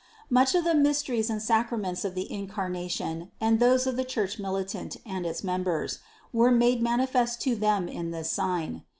Much of the mysteries and sacraments of the Incarnation, and those of the Church militant and its members, were made manifest to them in this sign.